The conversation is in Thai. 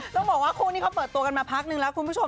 ต้องบอกว่าคู่นี้เขาเปิดตัวกันมาพักนึงแล้วคุณผู้ชม